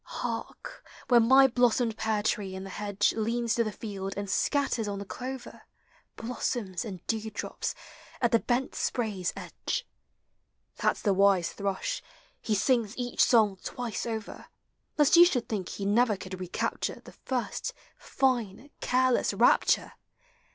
Hark, where my blossomed pear tree in Hie n« Leans to the field and scatters on the clover Blossoms and dewdrons ai the benl sprayi edge— 84 POEMS OF NATURE. That 's the wise thrush : he sings each song twice over Lest you should think he never could recapture The first fine careless rapture!